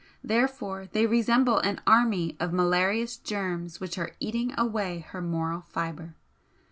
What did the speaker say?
Therefore they resemble an army of malarious germs which are eating away her moral fibre.